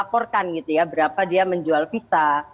tidak pernah melaporkan berapa dia menjual visa